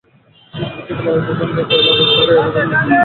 কিন্তু বাংলাদেশ ভূখণ্ডের মধ্যে পয়লা বৈশাখ এখন একটা বিপ্লবে রূপ নিয়েছে।